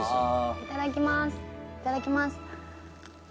いただきます。